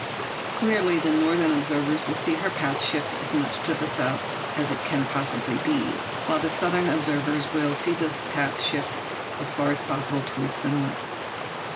Clearly the northern observers will see her path shifted as much to the south as it can possibly be, while the southern observers will see the path shifted as far as possible towards the north.